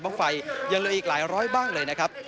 บ้างไฟยังเหลืออีกหลายร้อยบ้างเลยนะครับ